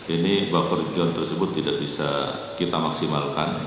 ini buffer joint tersebut tidak bisa kita maksimalkan